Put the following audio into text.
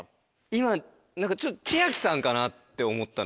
今何か千秋さんかなって思ったのよ。